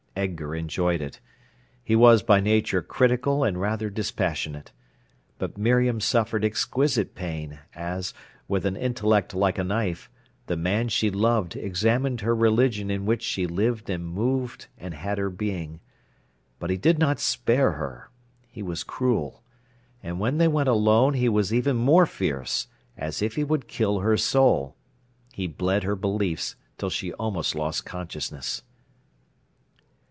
Edgar enjoyed it. He was by nature critical and rather dispassionate. But Miriam suffered exquisite pain, as, with an intellect like a knife, the man she loved examined her religion in which she lived and moved and had her being. But he did not spare her. He was cruel. And when they went alone he was even more fierce, as if he would kill her soul. He bled her beliefs till she almost lost consciousness.